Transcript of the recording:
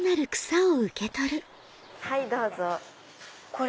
はいどうぞ。